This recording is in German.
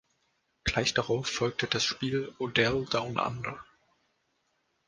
Gleich darauf folgte das Spiel „Odell Down Under“.